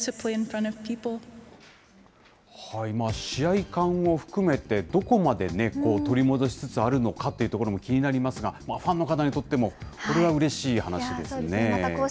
試合勘を含めて、どこまで取り戻しつつあるのかっていうところも気になりますが、ファンの方にとっても、これはうれしい話ですね。